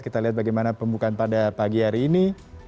kita lihat bagaimana pembukaan pada pagi hari ini